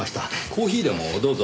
コーヒーでもどうぞ。